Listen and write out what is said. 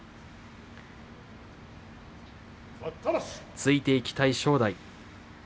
突いていきたい正代。